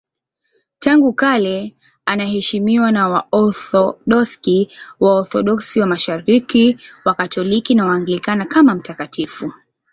Tangu kale anaheshimiwa na Waorthodoksi, Waorthodoksi wa Mashariki, Wakatoliki na Waanglikana kama mtakatifu.